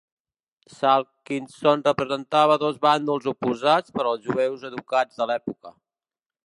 Salkinsohn representava dos bàndols oposats per als jueus educats de l'època.